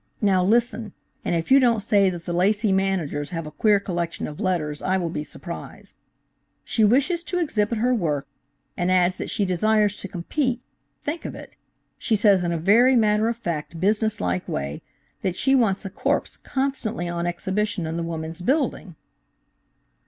Now listen, and if you don't say that the Lacy Managers have a queer collection of letters, I will be surprised. She wishes to exhibit her work, and adds that she desires to compete–think of it! She says in a very matter of fact, business like way, that she wants a corpse constantly on exhibition in the Woman's Building."